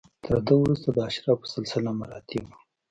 تر ده وروسته د اشرافو سلسله مراتب و